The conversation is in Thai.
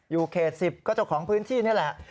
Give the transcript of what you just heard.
อยู่เขต๑๐ก็เจ้าของพื้นที่นี่แหละ